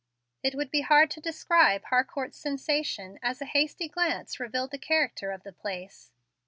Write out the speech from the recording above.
It would be hard to describe Harcourt's sensation as a hasty glance revealed the character of the place.